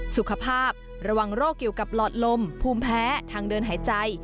สุขภาพระวังโรคเกี่ยวกับหลอดลมภูมิแพ้ทางเดินหายใจ